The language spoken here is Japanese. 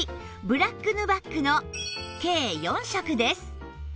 ブラックヌバックの計４色です